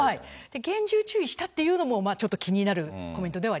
厳重注意したっていうのも、ちょっと気になるコメントではあ